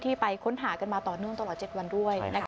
ไปค้นหากันมาต่อเนื่องตลอด๗วันด้วย